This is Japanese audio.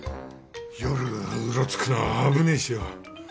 夜うろつくのは危ねえしよ。